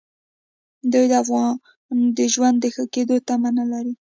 دوی د افغان د ژوند د ښه کېدو تمه نه لري.